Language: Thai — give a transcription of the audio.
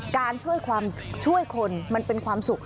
การช่วยความช่วยคนมันเป็นความสุข